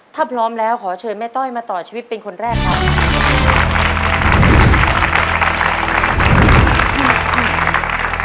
ถ้าพร้อมแล้วขอเชิญแม่ต้อยมาต่อชีวิตเป็นคนแรกครับ